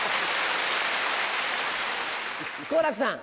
好楽さん。